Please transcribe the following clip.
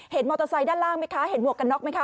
มอเตอร์ไซค์ด้านล่างไหมคะเห็นหมวกกันน็อกไหมค